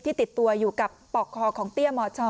ติดตัวอยู่กับปอกคอของเตี้ยมช